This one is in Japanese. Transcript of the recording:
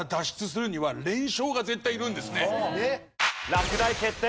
落第決定！